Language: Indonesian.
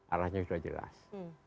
arahnya sudah jelas